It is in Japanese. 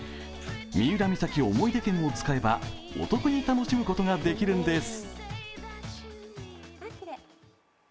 三浦・三崎おもひで券を使えばお得に楽しむことができるんです。